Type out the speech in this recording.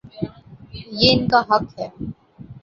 یہ ان کا حق ہے۔